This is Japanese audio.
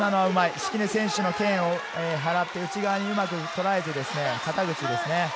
敷根選手の剣を払って、内側にうまく捉えて、肩口ですね。